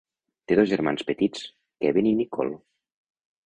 Té dos germans petits, Kevin i Nicole.